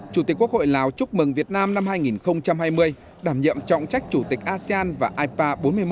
chủ tịch quốc hội lào chúc mừng việt nam năm hai nghìn hai mươi đảm nhiệm trọng trách chủ tịch asean và ipa bốn mươi một